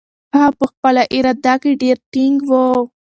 هغه په خپله اراده کې ډېر ټینګ و.